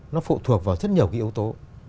nó phụ thuộc vào rất nhiều cái yếu tố